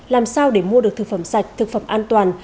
làm sao để mua được thực phẩm sạch thực phẩm an toàn